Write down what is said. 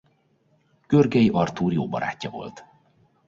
Görgei Artúr jó barátja volt.